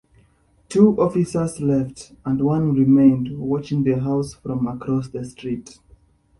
Two officers left, and one remained, watching the house from across the street.